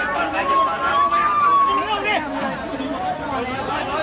ก็ไม่มีใครกลับมาเมื่อเวลาอาทิตย์เกิดขึ้น